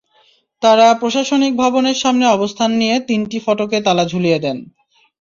তাঁরা প্রশাসনিক ভবনের সামনে অবস্থান নিয়ে তিনটি ফটকে তালা ঝুলিয়ে দেন।